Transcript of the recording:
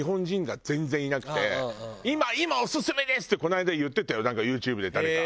「今今オススメです！」ってこの間言ってたよなんかＹｏｕＴｕｂｅで誰か。